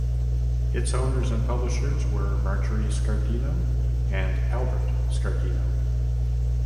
Its owners and publishers were Marjorie Scardino and Albert Scardino.